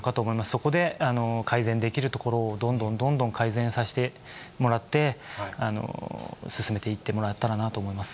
そこで改善できるところをどんどんどんどん改善させてもらって、進めていってもらえたらなと思います。